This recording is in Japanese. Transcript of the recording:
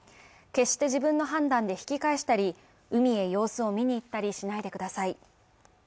決して自分の判断で引き返したり、海へ様子を見に行ったりしないでください。